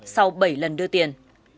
sau bảy lần đưa tiền